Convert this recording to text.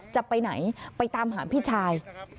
จะไปไหนไปตามหาพี่ชาย